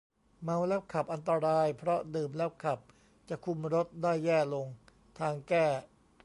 เมาแล้วขับอันตรายเพราะดื่มแล้วขับจะคุมรถได้แย่ลง ทางแก้